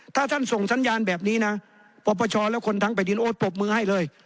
ถ้าท่านส่งสัญญาณแบบนี้นะปปชและคนทั้งแผ่นดินโอ๊ตปรบมือให้เลย